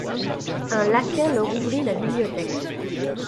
Un laquais leur ouvrit la bibliothèque.